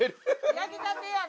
・焼きたてやのに。